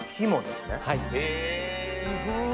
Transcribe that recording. すごい。